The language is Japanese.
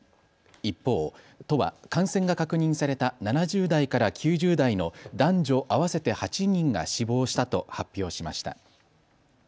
一方、都は感染が確認された７０代から９０代の男女合わせて８人が死亡したと発表しました。